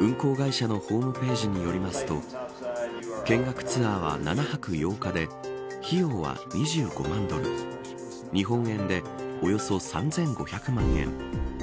運航会社のホームページによりますと見学ツアーは７泊８日で費用は２５万ドル日本円で、およそ３５００万円。